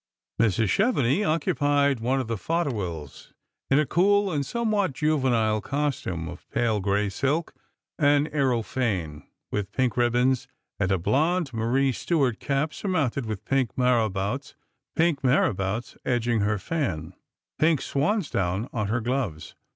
Mrs. Chf venix occupied one of the fauteuils, in a cool and somewhat Juvenile costume of pale gray silk and areophane, with pink ribbons, and a blonde Marie Stuart cap surmounted with pink marabouts, pink marabouts edging her fan, pink swansdown on her gloves.